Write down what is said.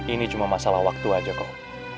ini cuma masalah waktu aja kok